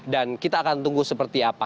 dan kita akan tunggu seperti apa